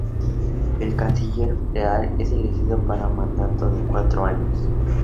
El canciller federal es elegido para un mandato de cuatro años.